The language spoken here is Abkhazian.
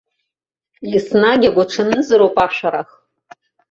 Еснагь агәаҽанызароуп ашәарах.